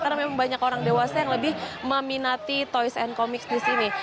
karena memang banyak orang dewasa yang lebih meminati toys and comics di sini